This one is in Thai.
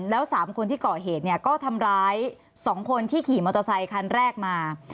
แล้ว๓คนที่ก่อเหตุเนี่ยก็ทำร้าย๒คนที่ขี่มอเตอร์ไซคันแรกมา